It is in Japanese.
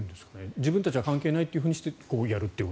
自分たちは関係ないとしてこうやる？